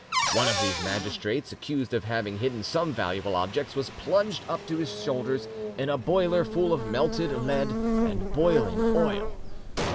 One of these magistrates, accused of having hidden some valuable objects, was plunged up to his shoulders in a boiler full of melted lead and boiling oil.